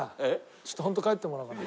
ちょっとホント帰ってもらって。